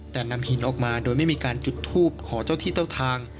แต่นำหินออกมาโดยไม่มีการจุดทูบขอเจ้าที่เจ้าทาง